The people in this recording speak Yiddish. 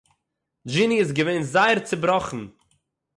דזשיני איז געווען זייער צעבראָכן